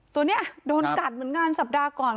ตัวนี้โดนกัดเหมือนงานสัปดาห์ก่อน